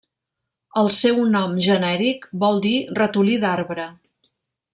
El seu nom genèric vol dir 'ratolí d'arbre'.